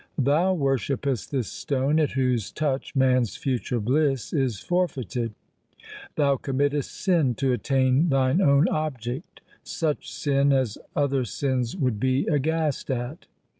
Thou worshippest this stone at whose touch man's future bliss is forfeited. Thou committest sin to attain thine own object — such sin as other sins would be aghast at.